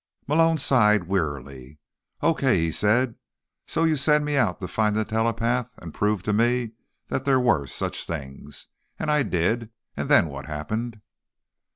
Malone sighed wearily. "Okay," he said. "So you sent me out to find a telepath and to prove to me that there were such things. And I did. And then what happened?"